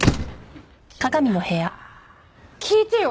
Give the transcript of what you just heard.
聞いてよ！